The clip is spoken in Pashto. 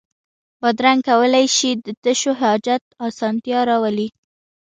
بادرنګ کولای شي د تشو حاجت اسانتیا راولي.